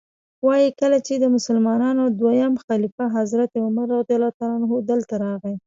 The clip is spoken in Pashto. وایي کله چې د مسلمانانو دویم خلیفه حضرت عمر رضی الله عنه دلته راغی.